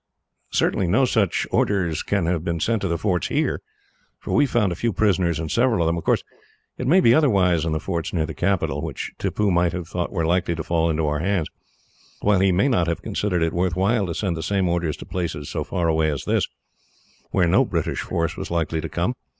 "Certainly no such orders can have been sent to the forts here, for we have found a few prisoners in several of them. Of course, it may be otherwise in the forts near the capital, which Tippoo might have thought were likely to fall into our hands; while he may not have considered it worth while to send the same orders to places so far away as this, where no British force was likely to come.